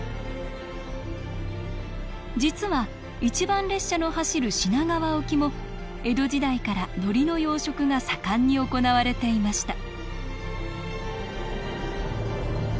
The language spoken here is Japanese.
実は一番列車の走る品川沖も江戸時代からノリの養殖が盛んに行われていました